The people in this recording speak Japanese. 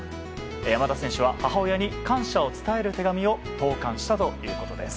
山田選手は母親に感謝を伝える手紙を投函したということです。